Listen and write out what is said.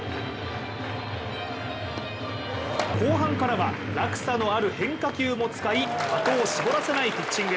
後半からは落差のある変化球も使い的を絞らせないピッチング。